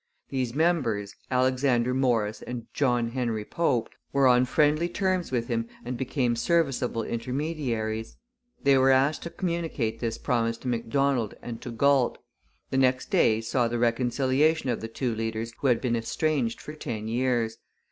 These members, Alexander Morris and John Henry Pope, were on friendly terms with him and became serviceable intermediaries. They were asked to communicate this promise to Macdonald and to Galt. The next day saw the reconciliation of the two leaders who had been estranged for ten years.